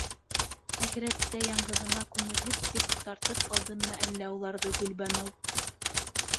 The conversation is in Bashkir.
Әхирәттә яңғыҙыма күңелһеҙ тип тартып алдымы әллә уларҙы Гөлбаныу?